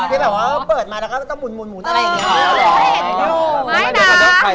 ที่แบบว่าเปิดมาแล้วก็ต้องหมุนอะไรอย่างนี้